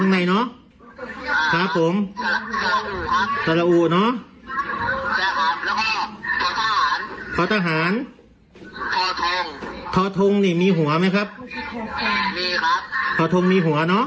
ใช่ครับโอนมาจริงนะพี่